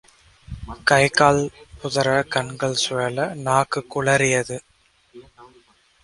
கைகால் உதற, கண்கள் சுழல, நாக்கு குளறியது.